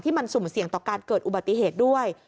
มันสุ่มเสี่ยงต่อการเกิดอุบัติเหตุด้วย